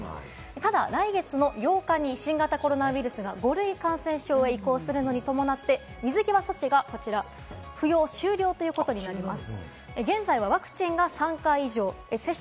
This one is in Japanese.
ただ来月の８日に新型コロナウイルスが５類感染症に移行するのに伴って、水際措置が不要、終了ということであります。